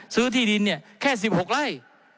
ซื้อที่ดินเนี่ยแค่๑๖ไร่